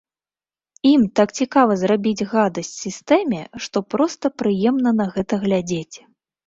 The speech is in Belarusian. Ім так цікава зрабіць гадасць сістэме, што проста прыемна на гэта глядзець.